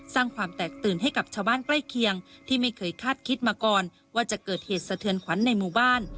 สร้างความแตกตื่นให้กับชาวบ้านใกล้เคียงที่ไม่เคยคาดคิดมาก่อนว่าจะเกิดเหตุสะเทือนขวัญในหมู่บ้าน